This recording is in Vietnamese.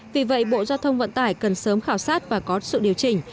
vì vậy bộ giao thông vận tải cần sớm khảo sát và có sự điều chỉnh